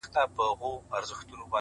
كه څه هم تور پاته سم سپين نه سمه”